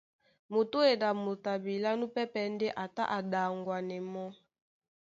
Mutúedi a motoi abilá núpɛ́pɛ̄ ndé a tá a ɗaŋwanɛ mɔ́.